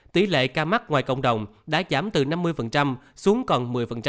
tỷ lệ ca mắc ngoài cộng đồng đã giảm từ năm mươi xuống còn một mươi